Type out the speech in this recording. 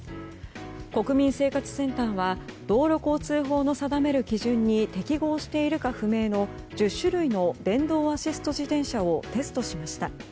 国民生活センターは道路交通法の定める基準に適合しているか不明の１０種類の電動アシスト自転車をテストしました。